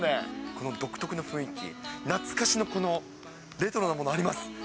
この独特な雰囲気、懐かしのこのレトロなものあります。